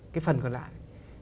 cái phần còn lại